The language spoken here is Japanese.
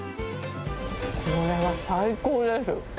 これは最高です。